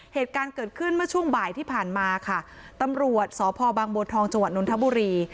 เหตุการณ์เกิดขึ้นเมื่อช่วงบ่ายที่ผ่านมาค่ะตำรวจสพบางบัวทองจังหวัดนทบุรี